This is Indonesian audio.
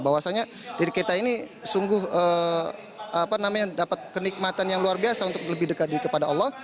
bahwasannya diri kita ini sungguh dapat kenikmatan yang luar biasa untuk lebih dekat kepada allah